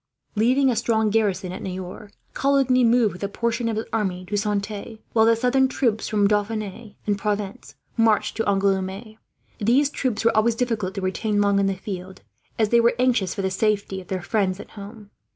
Leaving a strong garrison at Niort, Coligny moved with a portion of his army to Saintes; while the southern troops, from Dauphine and Provence, marched to Angouleme. These troops were always difficult to retain long in the field, as they were anxious for the safety of their friends at home.